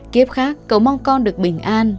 kiếp khác cầu mong con được bình an